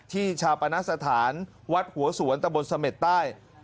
ชาปณสถานวัดหัวสวนตะบนเสม็ดใต้